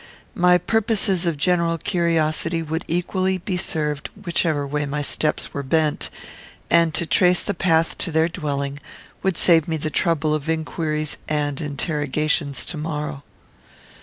My purposes of general curiosity would equally be served whichever way my steps were bent; and to trace the path to their dwelling would save me the trouble of inquiries and interrogations to morrow.